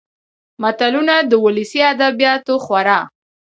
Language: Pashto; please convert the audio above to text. متلونه د ولسي ادبياتو خورا .